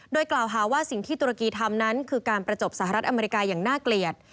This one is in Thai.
โดยกล่าวหาว่าสิ่งที่ตุรกีทำนั้นคือการประจบสหรัฐอเมริกาอย่างน่าเกลียด